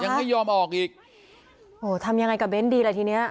ใช่ยังไม่ยอมออกอีกโอ้โหทำยังไงกับเว้นส์ดีเลยทีเนี้ย